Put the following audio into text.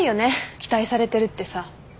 期待されてるってさ。